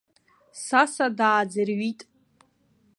Саса дааӡырҩит.